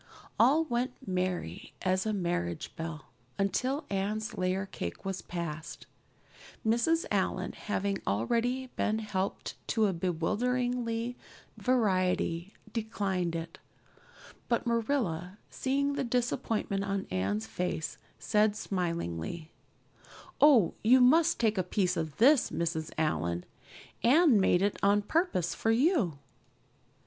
All went merry as a marriage bell until Anne's layer cake was passed. Mrs. Allan, having already been helped to a bewildering variety, declined it. But Marilla, seeing the disappointment on Anne's face, said smilingly: "Oh, you must take a piece of this, Mrs. Allan. Anne made it on purpose for you."